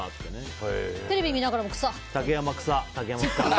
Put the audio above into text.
テレビ見ながらも草。